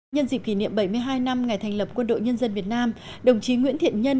nhân dịp kỷ niệm bảy mươi hai năm ngày thành lập quân đội nhân dân việt nam đồng chí nguyễn thiện nhân